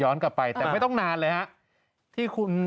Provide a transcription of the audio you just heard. ย้อนกลับไปแต่ไม่ต้องนานเลยครับ